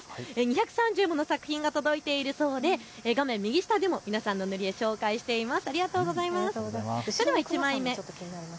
２３０もの作品が届いているそうで画面右下でも皆さんの塗り絵、紹介しています。